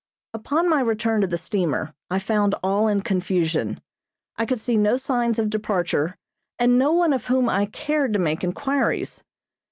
Upon my return to the steamer I found all in confusion. I could see no signs of departure and no one of whom I cared to make inquiries.